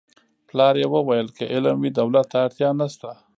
پلار یې ویل که علم وي دولت ته اړتیا نشته